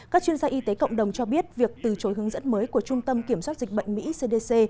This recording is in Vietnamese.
các chuyên gia y tế cộng đồng cho biết việc từ chối hướng dẫn mới của trung tâm kiểm soát dịch bệnh mỹ cdc